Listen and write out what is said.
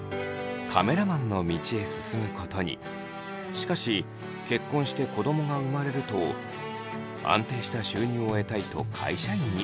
しかし結婚して子どもが生まれると安定した収入を得たいと会社員に。